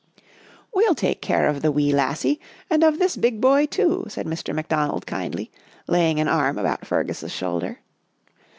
" We'll take care of the wee lassie and of this big boy, too," said Mr. McDonald kindly, laying an arm about Fergus' shoulder.